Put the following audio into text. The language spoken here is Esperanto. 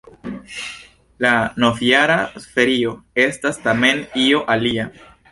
La novjara ferio estas tamen io alia.